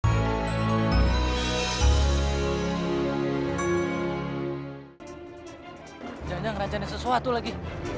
jangan jangan ngerajanin sesuatu lagi